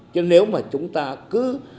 chứ nếu mà chúng ta cứ